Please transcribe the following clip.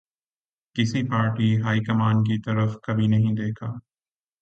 کسی party high command کی طرف کبھی نہیں دیکھا۔